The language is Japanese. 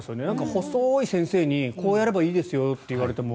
細い先生にこうやればいいですよって言われても。